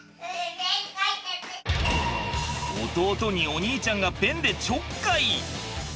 弟にお兄ちゃんがペンでちょっかい。